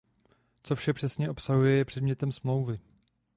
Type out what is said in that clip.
Co vše přesně obsahuje je předmětem smlouvy.